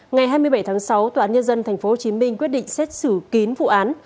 ngày hai mươi bảy tháng sáu tòa án nhân dân tp hcm quyết định xét xử kín vụ án